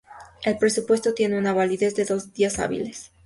El presupuesto tiene una validez de dos días hábiles.